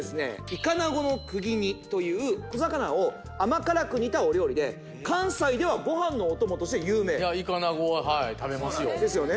いかなごのくぎ煮という小魚を甘辛く煮たお料理で関西ではご飯のお供として有名いかなごははい食べますよですよね